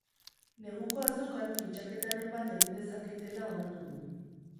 Neguko azokan fitxaketaren bat egin dezaketela onartu du.